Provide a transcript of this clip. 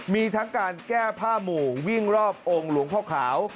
มีทั้งการแก้ผ้าหมู่วิ่งรอบองค์หลวงพ่อขาว